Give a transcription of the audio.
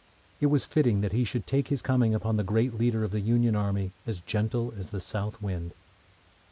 It was fitting that he should make his coming upon the great leader of the Union Army as gentle as the south wind.